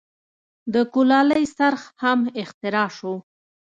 د کولالۍ څرخ هم اختراع شو.